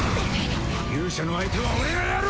勇者の相手は俺がやる！